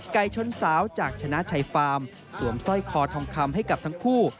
ชนสาวจากชนะชัยฟาร์มสวมสร้อยคอทองคำให้กับทั้งคู่